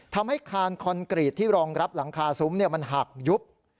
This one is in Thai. คานคอนกรีตที่รองรับหลังคาซุ้มมันหักยุบ